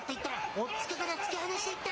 おっつけから突き放していった。